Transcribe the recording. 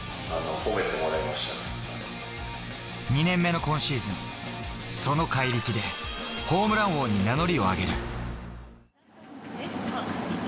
２年目の今シーズン、その怪力でホームラン王に名乗りをあげる。